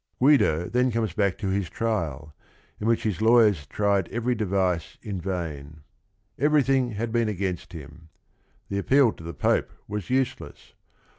Guido then comes back to his trial, in which his lawyers tried every device in vain. Every thing had been against him. The appeal to the Pope was useless.